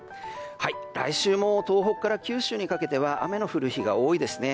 来週も東北から九州にかけては雨の降る日が多いですね。